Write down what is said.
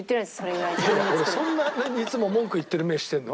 俺そんないつも文句言ってる目してるの？